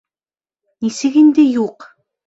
— Нисек инде юҡ?